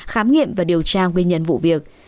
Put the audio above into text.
khám nghiệm và điều tra nguyên nhân vụ việc